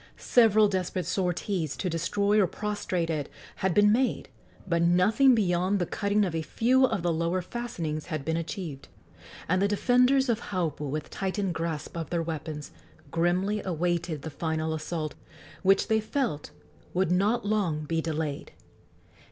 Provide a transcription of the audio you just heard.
Several desperate sorties, to destroy or prostrate it, had been made, but nothing beyond the cutting of a few of the lower fastenings had been achieved; and the defenders of Haupu, with tightened grasp of their weapons, grimly awaited the final assault, which they felt would not long be delayed.